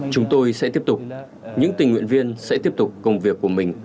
chúng tôi sẽ tiếp tục những tình nguyện viên sẽ tiếp tục công việc của mình